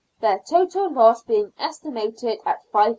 their total loss being estimated at ,^5,000.